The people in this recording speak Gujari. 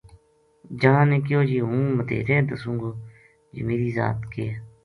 جنا نے کہیو جی ہوں مدیہرے دسوں گو جی میری ذات کے ہے